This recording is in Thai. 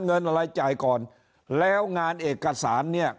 เงินอะไรจ่ายก่อนแล้วงานเอกสารเนี่ย